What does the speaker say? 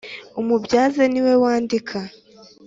Umubyaza niwe wandika.